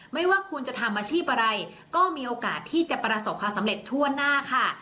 ไม่ว่าคุณจะทำอาชีพอะไรก็มีโอกาสที่จะประสบความสำเร็จทั่วหน้าค่ะ